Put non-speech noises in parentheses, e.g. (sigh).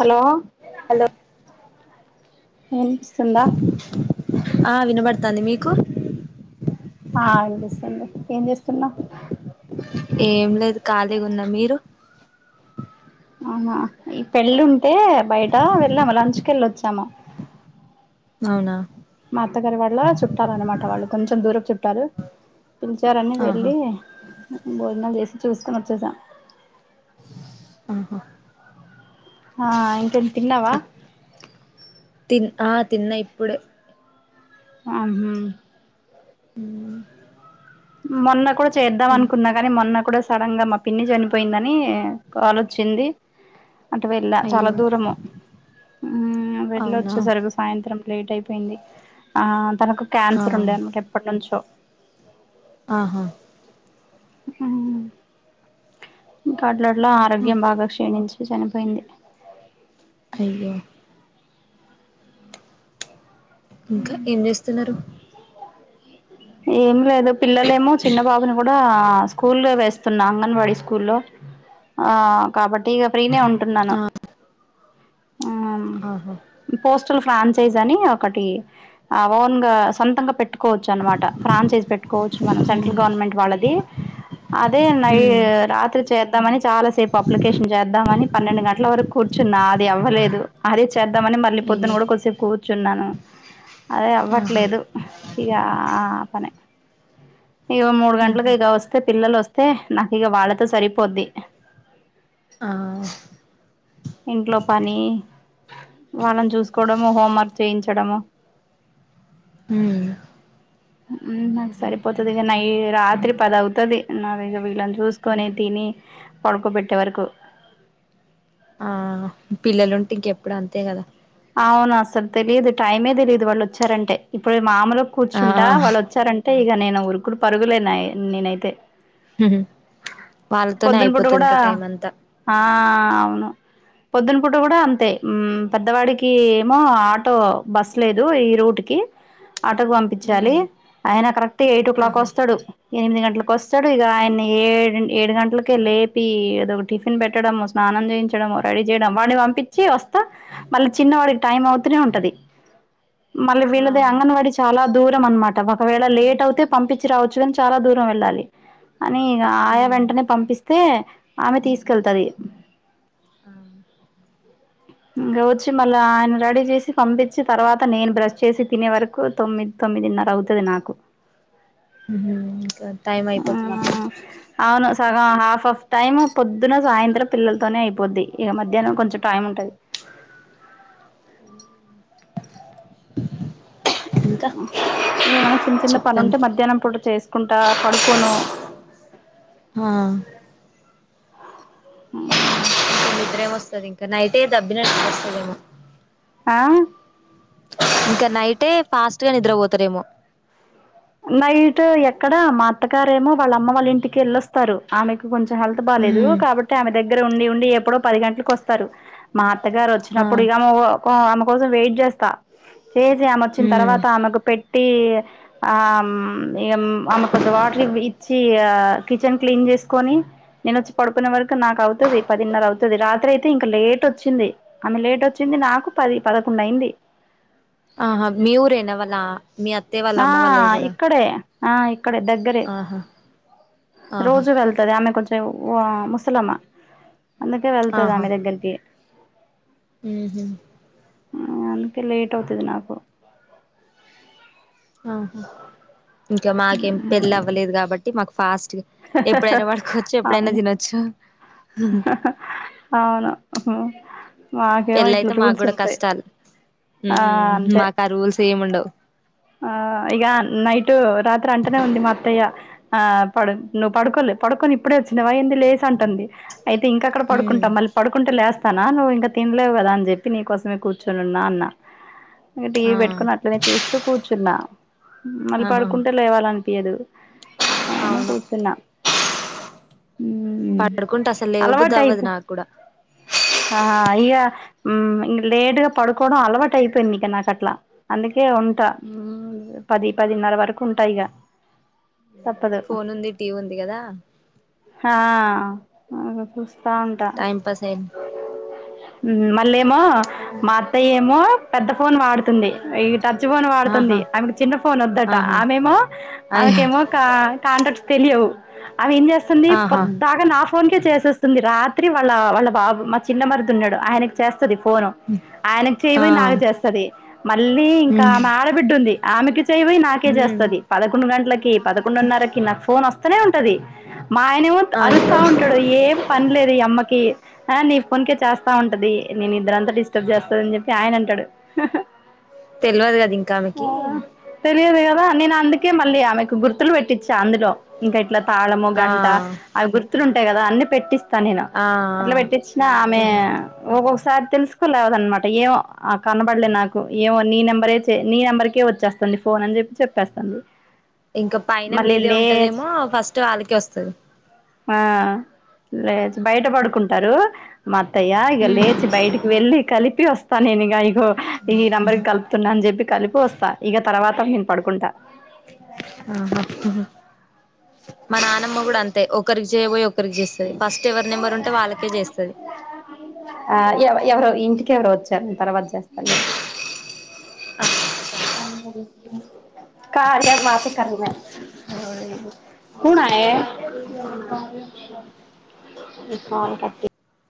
Hello hello ఏం స్తుందా ఆ వినబడుతాంది మీకు ఆ వినిపిస్తుంది ఏం చేస్తున్నా ఏం లేదు కాలీ గున్న మీరు ఆహా ఈ పెళ్ళుంటే బయట వెళ్ళాము లంచ్ కెళ్ ఒచ్చాము అవునా మా అత్తగారి వాళ్ళ చుట్టాలన్నమాట వాళ్ళు కొంచెం దూరప్ చుట్టాలు పిలిచారని ఆహా వెళ్ళి భోజనాల్ చేసి చూసుకొన్ ఒచ్చేసా ఆహా హా ఇంకెం తిన్నావా తిన్ ఆ తిన్న ఇప్పుడే అం హ్ మొన్న కూడా చేద్దాం అనుకున్నా కానీ మొన్న కూడా సడన్ గా మా పిన్ని చనిపోయిందని కాల్ ఒచ్చింది అటు వెళ్ళా చాలా అయ్యో దూరము ఊ అవునా వెళ్ళోచ్చే సరిగుస్ సాయంత్రం లేట్ అయిపోయింది ఆ తనకు ఆ క్యాన్సర్ ఉండే అనమాట ఎప్పటినుంచో ఆహా మ్మ్ ఇంకా అట్ల అట్ల ఆరోగ్యం ఓకే బాగా క్షీణించి చనిపోయింది అయ్యో ఇంకా ఏం చేస్తున్నారు ఏం లేదు పిల్లలేమో చిన్న బాబుని గుడ్ డా స్కూల్గా వేస్తున్న అంగన్వాడీ స్కూల్ ల్లో ఆ కాబట్టి ఇగ ఫ్రీనే ఉంటున్నాను ఆమ్ ఆహ ఇ పోస్టల్ ఫ్రాంచైజ్ అని ఒకటి ఆ ఓన్ గా సొంతంగా పెట్టుకోవచ్చు అనమాట ఫ్రాంచైజ్ పెట్టుకోవచ్చు మనం సెంట్రల్ ఉమ్ గవర్నమెంట్ వాళ్ళది అదే నై ఉమ్ రాత్రి చేద్ చేద్దామని చాలా సేప్ అప్లికేషన్ చేద్దామని పన్నెండు గంటల వర కూర్చున్న అది ఇవ్వలేదు అదే చేద్దామని మళ్ళీ పొద్దున అయ్యో కూడా కొసేప్ కూ చున్నాను అదే ఆహా అవ్వట్లేదు ఇగా ఆ పనె ఇగో మూడు ఉహు గంటలకిగా ఒస్తే పిల్లలొస్తే నాకిగ వాళ్ళతో సరిపోద్ది ఆ ఇంట్లో పని వాళ్ళన్ చూసుకోవడము హోంవర్క్ చేయించడము ఉమ్మ్మ్ ఉమ్మ్ నాక్ సరిపోతదిగ నై రాత్రి పదవుతది నాదిగ వీళ్ళన్ జూస్ కొనే తిని పడుకోబెట్టే వరకు ఆ పిల్లలుంటే ఇంకెప్పుడ్ అంతే గదా అవును అసల్ తెలీదు టైమే తెలిదు వాళ్ళోచ్చారంటే ఇప్పుడు మామలుగ ఆ కూర్చుంటా వాళ్ళోచ్చారన్ టే ఇగ నేను ఉరుకులు పరుగులేనాయి నేనైతే ఉహ్ వాళ్ళతోనే పొద్దున పూట కూడా అయిపోతదింక టైం అంతా ఆ అవును పొద్దున్న పూట కూడా అంతే పెద్దవా కి ఏమో ఆటో బస్ లేదు ఈ రూట్ కి ఆటో పంపి పించాలి ఉమ్ అయన కరెక్ట్ ఎయిట్ ఓ క్లాక్ ఆహా వస్తాడు ఎనిమిది గంటలకు వస్తాడు ఇక ఆయన్ని ఏడు ఏడు గంటలకే లేపి ఏదొ టిఫిన్ పెట్టడము స్నానం చేయించడము రెడీ చేయడం వాని పంపించి వస్తా మళ్ళ చిన్నవాడికి టైం అవుతూనే ఉంటది మళ్ళీ ఆ వీళ్ళదే అంగన్వాడి చాలా దూరం అనమాట ఒకవేళ లేట్ అవుతే పంపించి రావచ్చు కాని చాలా దూరం వెళ్ళాలి అని ఇక ఆయా మ్మ్ వెంటనే పంపిస్తే ఆమె తీసుకెళ్తది ఆ ఉం వచ్చి మళ్ళీ ఆయన రెడీ చేసి పంపించి తర్వాత నేను బ్రష్ చేసి తినే వరకు తొమ్మిదిన్నర అవుతది నాకు టైం అయితుంది నాకు అవును సగం హాఫ్ ఆఫ్ టైమ్ పొద్దున సాయంత్రం పిల్లలతోనే అయిపోద్ది ఇక మధ్యాహ్నం కొంచెం టైమ్ ఉంటది అ ఏమన్నా చిన్న చిన్న పని ఉంటే చెప్పండి మధ్యాహ్నం పూట చేసుకుంటా పడుకోను హా ఉ నిద్దరేము వస్తుంది ఇంకా నైటే దబ్బినట్టులు వస్తుదమో ఆ ఇంకా నైటే ఫాస్ట్ గా నిద్రపోతారేమో నైట్ ఎక్కడ మా అత్తగారేమో వాళ్ళ అమ్మ వాళ్ళ ఇంటికి వెళ్ వస్తారు ఆమెకు కొంచెం హెల్త్ బాలేదు మ్మ్ కాబట్టి ఆమె దగ్గర ఉండి ఉండి ఎప్పుడో పది గంటలకు వస్తారు మా అత్తగారు ఆ వచ్చినప్పుడు ఇక ఆమె కోసం వెయిట్ చేస్తా చేసి ఆమె వచ్చిన మ్మ్ తర్వాత ఆమెకు పెట్టి ఆ ఆమెకు కొంచెం వాటర్ ఇచ్చి కిచెన్ క్లీన్ చేసుకొని నేను వచ్చి పడుకునే వరకు నాకు అవుతది పదిన్నర అవుతది రాత్రి అయితే ఇంకా లేట్ వచ్చింది. ఆమె లేట్ వచ్చింది నాకు పది పదకొండు అయింది ఆహా మీ ఊరేనా వాళ్ల ఆ ఆ ఇక్కడే ఆ ఇక్కడే దగ్గరే ఆహా ఆహా రోజు వెళ్తా ది ఆమె కొంచెం ముసలామా అందుకే వెళ్తది ఆమె దగ్గరికి ఉహ అందుకే లేట్ అవుతుది నాకు ఆహా ఇంకా మాకేం పెళ్లి అవ్వలేదు కాబట్టి మాకు ఫాస్ట్ ఎప్పుడైనా పడుకోవచ్చు ఎప్పుడైనా తినొచ్చు హా హా అవును మాకేమో ఇట్లా పెళ్ళయితే మాకు రూల్స్ కూడా ఉంటాయి కష్టాలు ఆ ఉమ్ అంతే ఆ మాకు రూల్స్ ఏం ఉండవు ఆ ఇక నైటు రాత్రి అంటనే ఉంది మా అత్తయ్య ఆ ప నువ్వు పడుకోలే పడుకొని ఇప్పుడే వచ్చినావ ఏంది లేసి అంటుంది అయితే ఇంకేక్కడ ఉమ్ పడుకుంటా మళ్ళీ పడు కుంటే లేస్తానా నువ్వు ఇంకా తినలేవు కదా అని చెప్పి నీకోసమే కూర్చొనిన్నా అన్నా ఇక టీవీ ఆ పెట్టుకొని అట్లనే చూస్తూ కూర్చున్నా మళ్ళీ ఆహా పడుకుంటే లేవాలి అనిపియదు అని అవును కూర్చున్నా మ్మ్ పడుకుంటే అసలు లేవ బుద్దు అవ్వదు నాకు కూడా హహా ఇగా మ్ ఇంగ లేటుగా పడుకోడం అలవాటైపోందిగ నాకట్ల అందుకే ఉంటా మ్ పది పదిన్నర వరకు ఉంటా ఇగ తప్పదు ఫోనుంది టీవుంది గదా హా అట్ల చూస్తా ఉంటా టైంపాస్ ఐన్ ఉహు మళ్ళేమో మా త్తయ్యేమో పెద్ద ఫోన్ వాడుతుంది ఇగ ట చువోను వాడుతుంది ఆహా ఆయమ్మకు చిన్న ఫోనొద్దట ఆహా ఆమెేమో అయ ఆమెకేమో కా కాంటాక్ట్స్ తెలీయవు అవి ఏం జేస్తుంది ఆహా పొద్దాగ నాఫ్ ఫోన్కే చేసేస్తుంది రాత్రి వాళ్ళ వాళ్ళ బాబు మా చిన్న మరిది ఉన్నాడు ఆయనక్ చేస్తది ఫోను ఆయనక్ చేయ్ ఆ బోయ్ నాక్ జేస్తది మళ్ళీ ఇం ఉమ్ ఆడబిడ్డుంది ఆమెకి చేయ్ బోయ్ నాకే ఉమ్ జేస్తది పదకొండు గంట్లకి పదకొండున్నరకి నాకి ఫోనొస్తనే ఉంటది మా ఆయనేమొత్ అయ్యో అరుస్తా ఉంటాడు ఏం పన్ లేదు ఈ అమ్మకి ఆ నీ ఫోన్కే చేస్తా ఉంటది నీ నిద్దరంత డిస్టబ్ జేస్తాదన్ జొప్పి ఆయనంటడు తెల్వదు కద ఇంకామెకి తెలియదు గదా నేనందుకే మళ్ళీ ఆమెకు గుర్తులు వెట్టిచ్చా అందులో ఇంకా ఇట్లా తాళము ఆ గంట అవి గుర్తులుంటాయ్ గదా అన్నీ పెట్టిస్ స్తా నేను ఆ అట్ల ఆ వెట్టిచ్నా ఆమె ఒగొగ్ సార్ తెలుస్ కోలేదన్మాట ఏమో ఆ కనబల్లే నాకు ఏమో నీ నెంబరే చు చే నీ నెంబర్కే వచ్చేస్తుంది ఫోనన్ జొప్పి చోప్పేస్తాంది ఇంక పైన మీదే ఉంటాదేమో ఫస్టు ఆళ్ళకే వస్తది ఆ లేదు బైట బడుకుంటారు మాత్తయ్యా ఇగ ఉమ్ లేచి బైటికి వెళ్ళి కలిపి వస్తా నేనిగా ఇగొ ఈ నెంబర్ గలుప్ తున్నా అన్ జొప్పి కలిపి వస్తా ఇగ తర్వాత నేన్ పడుకుంటా ఆహా మా నానమ్మ గుడ అంతే ఒకరిక్ చేయబోయ్ ఒ కరికి జేస్తది ఫస్టు ఎవరి నెంబరుంటే వాళ్ళకే జేస్తది ఆ ఎవ్ ఎవరో ఇంటికెవరు వొచ్చార్ నేన్ తర్వాత్ జేస్తాన్ నేను కారదు మాత్ర క (unintelligible) కూనాయే ని క్వాంటాది